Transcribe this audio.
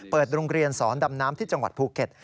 โรงเรียนสอนดำน้ำที่จังหวัดภูเก็ต